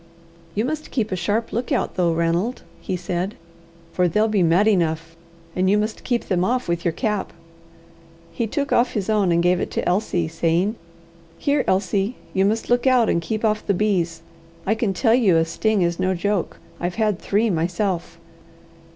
"You must keep a sharp look out though, Ranald," he said; "for they'll be mad enough, and you must keep them off with your cap." He took off his own, and gave it to Elsie, saying: "Here, Elsie: you must look out, and keep off the bees. I can tell you a sting is no joke. I've had three myself."